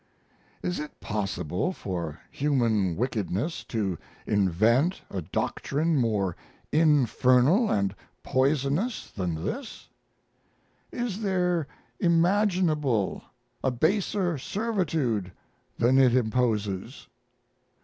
Is it possible for human wickedness to invent a doctrine more infernal and poisonous than this? Is there imaginable a baser servitude than it imposes?